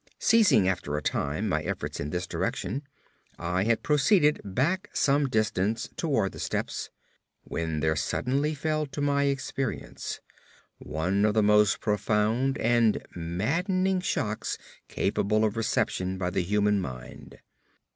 Ceasing after a time my efforts in this direction, I had proceeded back some distance toward the steps, when there suddenly fell to my experience one of the most profound and maddening shocks capable of reception by the human mind.